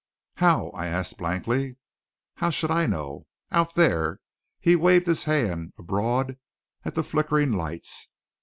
"How?" I asked blankly "How should I know? Out there" he waved his hand abroad at the flickering lights.